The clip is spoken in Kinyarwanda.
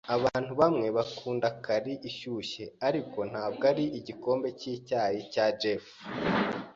Abantu bamwe bakunda karri ishyushye, ariko ntabwo ari igikombe cyicyayi cya Jeff.